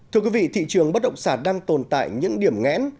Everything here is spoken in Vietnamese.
thưa quý vị thị trường bất động sản đang tồn tại những điểm nghẽn